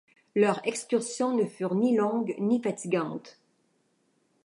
Leurs excursions ne furent ni longues ni fatigantes.